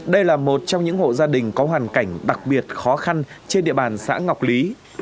đây là một trong những hộ gia đình có hoàn cảnh đặc biệt khó khăn trên địa bàn xã ngọc lý